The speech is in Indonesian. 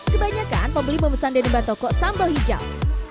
kebanyakan pembeli memesan dendeng batoko sambal hijau